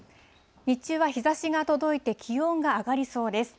日中は日ざしが届いて気温が上がりそうです。